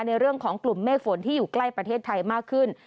ในเรื่องของกลุ่มเมฆฝนที่อยู่ใกล้ประเทศไทยมากขึ้น